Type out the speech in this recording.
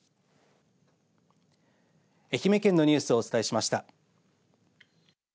愛媛県のニュースをお伝えしました。